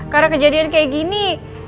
karena kejadian kayak gini